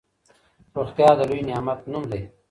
روغتيا د لوی نعمت نوم دی.